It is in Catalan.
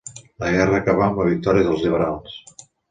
La guerra acabà amb la victòria dels liberals.